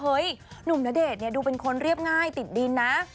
หนุ่มณเดชน์ดูเป็นคนเรียบง่ายติดดินนะ